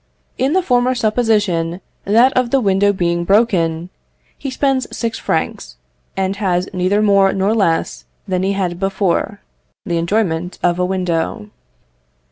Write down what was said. In the former supposition, that of the window being broken, he spends six francs, and has neither more nor less than he had before, the enjoyment of a window.